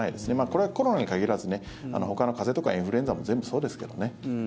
これはコロナに限らずほかの風邪とかインフルエンザも全部そうですけどね。